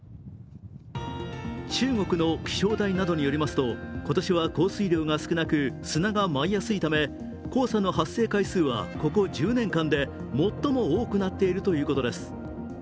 中国の気象台などによりますと今年は降水量が少なく砂が舞いやすいため、黄砂の発生回数はここ１０年間で最も多くなっているということです。